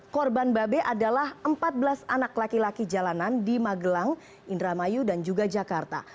korban babe adalah empat belas anak laki laki jalanan di magelang indramayu dan juga jakarta